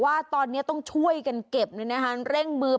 ว่าตอนนี้ต้องช่วยกันเก็บเร่งมือ